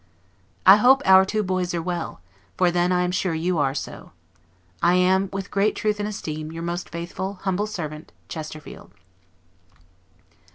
I hope our two boys are well, for then I am sure you are so. I am, with great truth and esteem, your most faithful, humble servant, CHESTERFIELD.